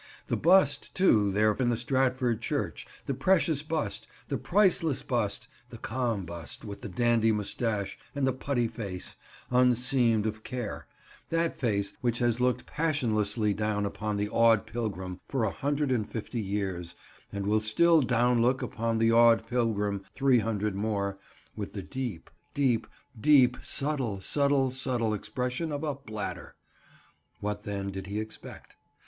"The bust, too, there in the Stratford church. The precious bust, the priceless bust, the calm bust with the dandy moustache and the putty face, unseamed of care—that face which has looked passionlessly down upon the awed pilgrim for a hundred and fifty years, and will still down look upon the awed pilgrim three hundred more, with the deep, deep, deep, subtle, subtle, subtle expression of a bladder." What, then, did he expect?